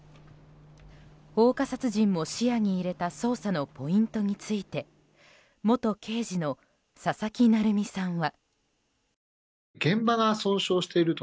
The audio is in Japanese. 放火殺人も視野に入れた捜査のポイントについて元刑事の佐々木成三さんは。